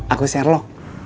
aku di sherlock